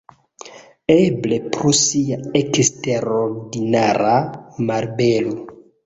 Eble pro ŝia eksterordinara malbelo.